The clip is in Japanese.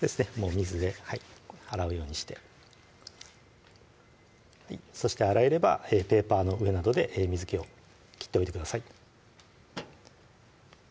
水で洗うようにしてそして洗えればペーパーの上などで水気を切っておいてください